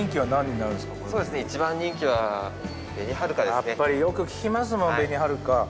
やっぱりよく聞きますもん紅はるか。